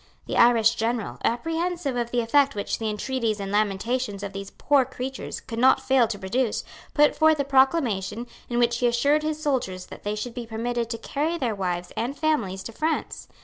The Irish general, apprehensive of the effect which the entreaties and lamentations of these poor creatures could not fail to produce, put forth a proclamation, in which he assured his soldiers that they should be permitted to carry their wives and families to France.